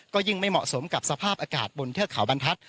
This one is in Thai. ก็ยิ่งไม่เหมาะสมกับสภาพอากาศบนเทือกเขาบรรทัศน